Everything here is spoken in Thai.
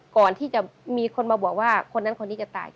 ก่อนที่จะมีคนมาบอกว่าคนนั้นคนนี้จะตาย